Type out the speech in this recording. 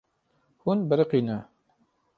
Hûn biriqîne.